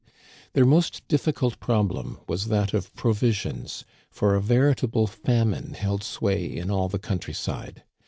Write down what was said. Their most difficult problem was that of provisions, for a veritable famine held sway in all the country side.